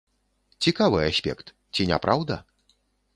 Цікавы аспект, ці не праўда?